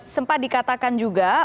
sempat dikatakan juga